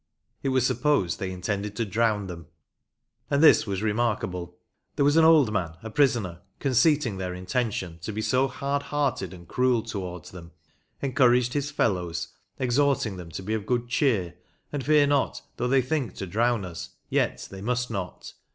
(It was supposed they intended to drown them.) And this was remark able. There was an ould man, a prisoner, conceiting their intention to be so hard harted and cruell towardes them, encouraged his fealowes, exhorting them to be of good chere, and feare not though they thinke to drowne us yet they must not.